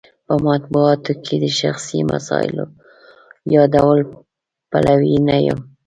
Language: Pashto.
په مطبوعاتو کې د شخصي مسایلو یادولو پلوی نه یم.